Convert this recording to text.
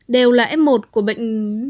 đều là f một của bệnh